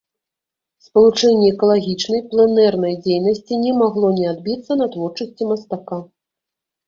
Спалучэнне экалагічнай, пленэрнай дзейнасці не магло не адбіцца на творчасці мастака.